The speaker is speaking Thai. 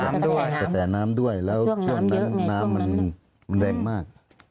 ด้วยกระแสน้ำด้วยแล้วช่วงนั้นน้ำมันมันแรงมาก